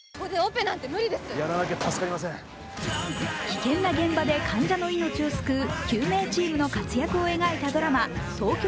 危険な現場で患者の命を救う救命チームの活躍を描いたドラマ「ＴＯＫＹＯＭＥＲ